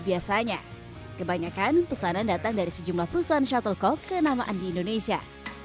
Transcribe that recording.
biasanya kebanyakan pesanan datang dari sejumlah perusahaan shuttlecock kenamaan di indonesia